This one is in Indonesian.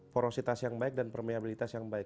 porositas dan permeabilitas yang baik